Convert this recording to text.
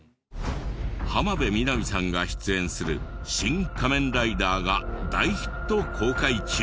浜辺美波さんが出演する『シン・仮面ライダー』が大ヒット公開中。